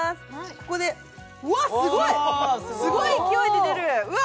ここでうわすごいすごい勢いで出るうわ！